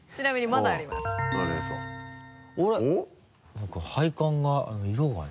なんか配管が色がね。